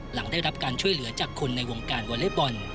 หลังได้รับการช่วยเหลือจากคนในวงการวอเล็กบอล